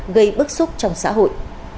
gây bức xúc trong xã hội